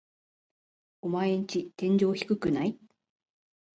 オマエんち天井低くない？